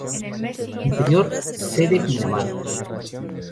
Interior: Sede Pinamar.